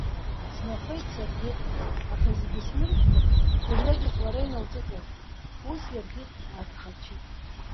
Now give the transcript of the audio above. Снахәеит саргьы, аха зегь смыржәкәа, дырҩегьых лара иналҿыҵалкит, ус иаргьы ааҭаҳарцәит.